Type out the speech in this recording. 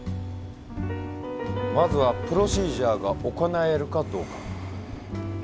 まずはプロシージャーが行えるかどうか。